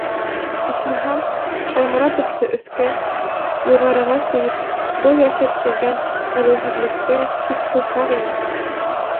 Исмаһам, Шайморатовты өҫкә, юғарыға сөйөп, был йәшәп килгән ғәҙелһеҙлеккә сик ҡуйһаҡ ине.